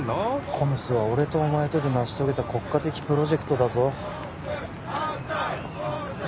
ＣＯＭＳは俺とお前とで成し遂げた国家的プロジェクトだぞＣＯＭＳ反対！